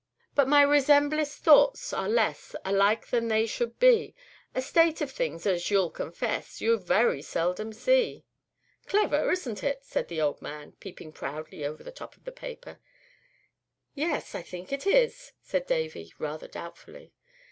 _ _But my resemblest thoughts are less Alike than they should be; A state of things, as you'll confess, You very seldom see._ "Clever, isn't it?" said the old man, peeping proudly over the top of the paper. "Yes, I think it is," said Davy, rather doubtfully.